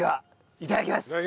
いただきます。